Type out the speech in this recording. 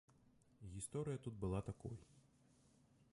Гісторыя тут была такой.